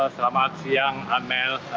selamat siang amel